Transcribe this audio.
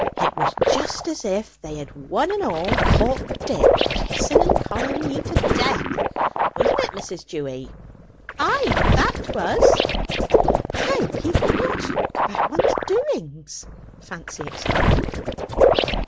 It was just as if they had one and all caught Dick kissing and coling ye to death, wasn't it, Mrs. Dewy?" "Ay; that 'twas." "How people will talk about one's doings!" Fancy exclaimed.